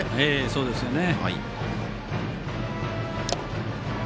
そうですよね。